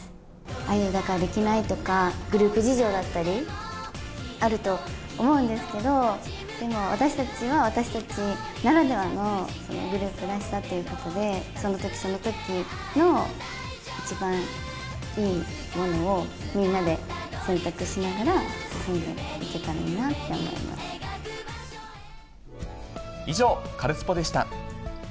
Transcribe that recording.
アイドルだからできないとか、グループ事情だったりあると思うんですけど、でも、私たちは私たちならではのグループらしさっていうことで、そのときそのときの一番いいものをみんなで選択しながら進んでい以上、カルスポっ！でした。